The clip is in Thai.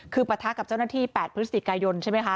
คือปะทะกับเจ้าหน้าที่๘พฤศจิกายนใช่ไหมคะ